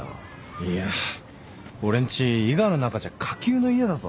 いや俺んち伊賀の中じゃ下級の家だぞ。